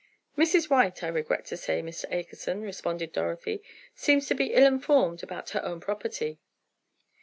"Mrs. White, I regret to say, Mr. Akerson," responded Dorothy, "seems to be ill informed about her own property."